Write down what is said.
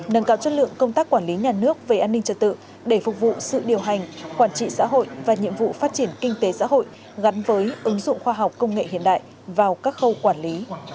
nâng cao chất lượng công tác quản lý nhà nước về an ninh trật tự để phục vụ sự điều hành quản trị xã hội và nhiệm vụ phát triển kinh tế xã hội gắn với ứng dụng khoa học công nghệ hiện đại vào các khâu quản lý